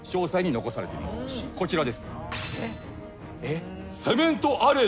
こちらです。